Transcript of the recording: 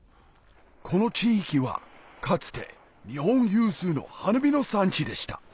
この地域はかつて日本有数の花火の産地でした